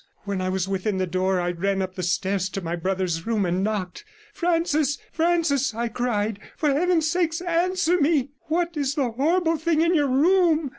When I was within the door, I ran up the stairs to my brother's room and knocked. 'Francis, Francis,' I cried, 'for Heaven's sake, answer me. What is the horrible thing in your room?